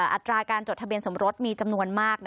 อัตราการจดทะเบียนสมรสมีจำนวนมาก